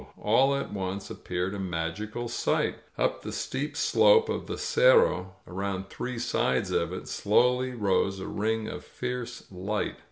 All at once appeared a magical sight. Up the steep slope of the Cerro, around three sides of it, slowly rose a ring of fierce light.